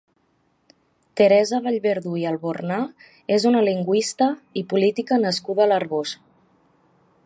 Teresa Vallverdú i Albornà és una lingüista i política nascuda a l'Arboç.